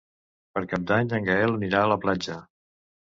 Per Cap d'Any en Gaël anirà a la platja.